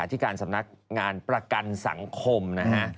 ที่การสำนักงานประกันสังคมนะฮะ